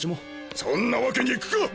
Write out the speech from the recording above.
そんなわけにいくか！